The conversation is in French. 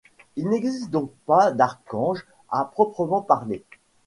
Il n'existe donc pas d'archange à proprement parler.